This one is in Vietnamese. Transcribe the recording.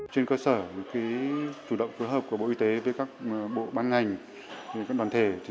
trên cơ sở khi chủ động phối hợp của bộ y tế với các bộ bán ngành